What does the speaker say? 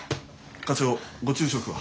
課長ご昼食は？